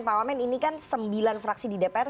pak wamen ini kan sembilan fraksi di dpr